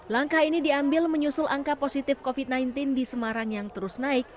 langkah ini diambil menyusul angka positif covid sembilan belas di semarang yang terus naik